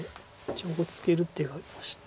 １目ツケる手がありまして。